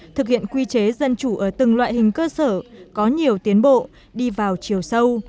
thực hiện quy chế dân chủ ở từng loại hình cơ sở có nhiều tiến bộ đi vào chiều sâu